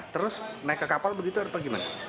terus naik ke kapal begitu atau gimana